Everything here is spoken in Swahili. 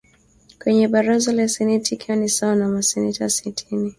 kwenye Baraza la seneti ikiwa ni sawa na maseneta sitini